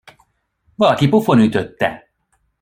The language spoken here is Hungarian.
Valaki pofonütötte!